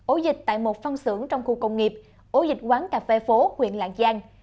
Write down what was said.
ổ dịch tại một phân xưởng trong khu công nghiệp ổ dịch quán cà phê phố huyện lạng giang